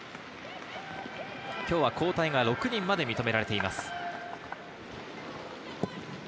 今日は交代が６人まで認められています。